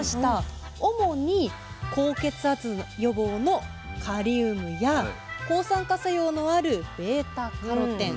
主に高血圧予防のカリウムや抗酸化作用のあるβ−カロテン。